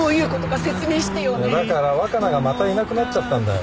だから若菜がまたいなくなっちゃったんだよ。